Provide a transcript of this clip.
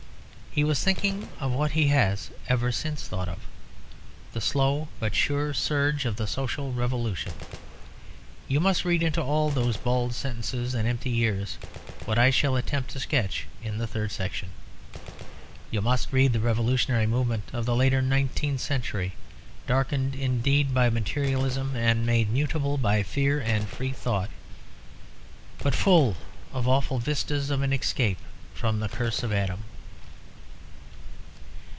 He was thinking of what he has ever since thought of, the slow but sure surge of the social revolution; you must read into all those bald sentences and empty years what I shall attempt to sketch in the third section. You must read the revolutionary movement of the later nineteenth century, darkened indeed by materialism and made mutable by fear and free thought, but full of awful vistas of an escape from the curse of Adam.